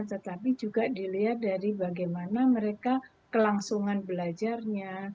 tetapi juga dilihat dari bagaimana mereka kelangsungan belajarnya